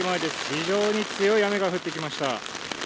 非常に強い雨が降ってきました。